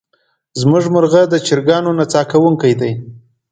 زمونږ مرغه د چرګانو نڅا کوونکې دی.